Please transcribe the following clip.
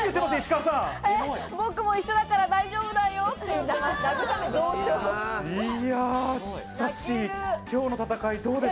僕も一緒だから大丈夫だよって慰めています。